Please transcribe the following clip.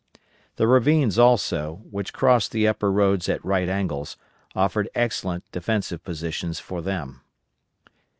The ravines also, which crossed the upper roads at right angles, offered excellent defensive positions for them.